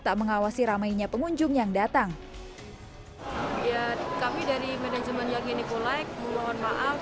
untuk mengawasi ramainya pengunjung yang datang ya kami dari manajemen yang ini kulai mohon maaf